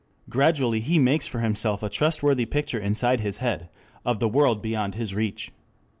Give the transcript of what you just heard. Gradually he makes for himself a trustworthy picture inside his head of the world beyond his reach.